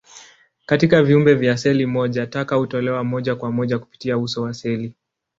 Katika viumbe vya seli moja, taka hutolewa moja kwa moja kupitia uso wa seli.